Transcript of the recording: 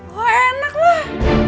kok enak lah